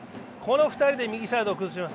この２人で右サイドを崩します。